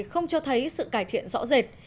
không cho thấy sự cải thiện rõ rệt